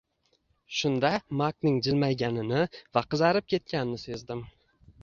Shunda Makning jilmayganini va qizarib ketganini sezdim